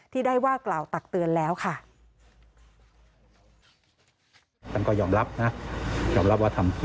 ที่ได้ว่ากล่าวตักเตือนแล้วค่ะ